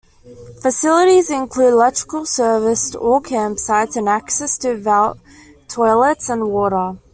Facilities include electrical service to all campsites and access to vault toilets and water.